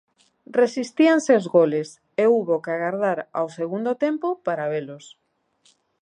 Resistíanse os goles e houbo que agardar ao segundo tempo para velos.